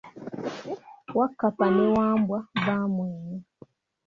Wakkapa ne Wambwa baamwennya.